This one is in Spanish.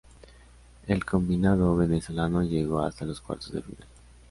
El combinado venezolano llegó hasta los cuartos de final.